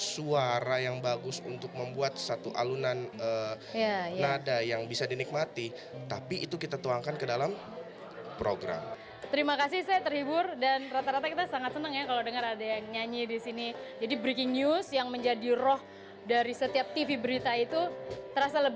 saya akan kembali tetaplah bersama kami di program spesial